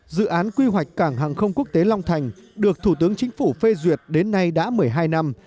dự án quy hoạch cảng hàng không quốc tế long thành được thủ tướng chính phủ phê duyệt đến nay đã một mươi hai năm